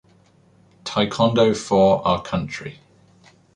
Taekwondo for our country.